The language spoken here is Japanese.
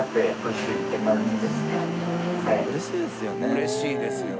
うれしいですよね。